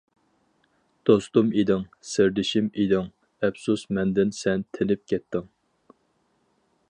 دوستۇم ئىدىڭ، سىردىشىم ئىدىڭ، ئەپسۇس مەندىن سەن تېنىپ كەتتىڭ.